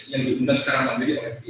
yang diundang secara mandiri oleh